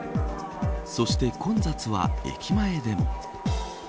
そして混雑は駅前でも。